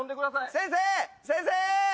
先生先生！